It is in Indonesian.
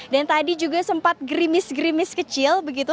dan tadi juga sempat grimis grimis kecil begitu